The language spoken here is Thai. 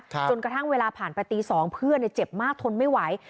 จนกระทั่งเวลาผ่านไปตี๒เพื่อนเจ็บมากทนไม่ไหว